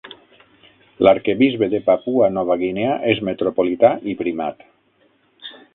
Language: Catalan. L'arquebisbe de Papua Nova Guinea és metropolità i primat.